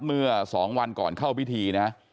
เมื่อ๒วันก่อนเข้าพิธีนะ